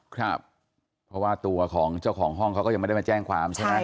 ครับเพราะว่าตัวของเจ้าของห้องเขาก็ยังไม่ได้มาแจ้งความใช่ไหม